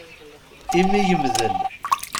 Imi yemdel.